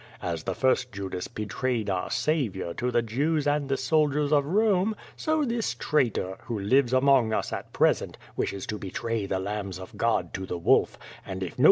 As the first Judas betrayed our Saviour to the Jews and the soldiers of Rome, so this traitor, who lives among us at pres ent, wishes to betray the lambs of God to the wolf^ and if no QUO VADI8.